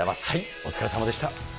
お疲れさまでした。